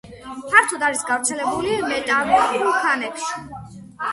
ფართოდ არის გავრცელებული მეტამორფულ ქანებში.